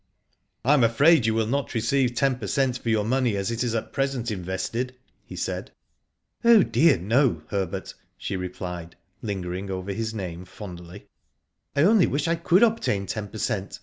"I am afraid you will not receive ten per cent, for your money as it is at present invested/' he said. " Oh dear, no, Herbert," she replied, lingering over his name, fondly. " I only wish I could obtain ten per cent.